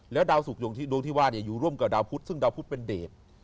แล้วดาวสุขโดงที่ว่าอยู่ร่วมกับดาวพุทธซึ่งดาวพุทธเป็นเดช